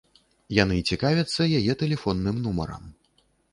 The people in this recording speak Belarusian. Яны цікавяцца яе тэлефонным нумарам.